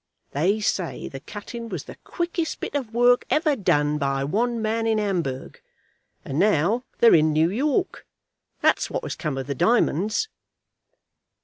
They say the cutting was the quickest bit of work ever done by one man in Hamburg. And now they're in New York. That's what has come of the diamonds."